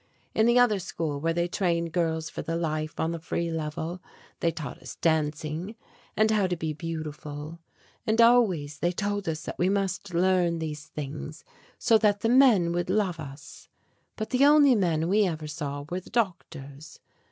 In the other school where they train girls for the life on the Free Level, they taught us dancing, and how to be beautiful, and always they told us that we must learn these things so that the men would love us. But the only men we ever saw were the doctors.